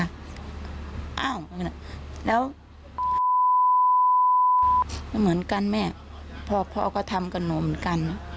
อ้าวแล้วเหมือนกันแม่พ่อพ่อก็ทำกับหนูเหมือนกัน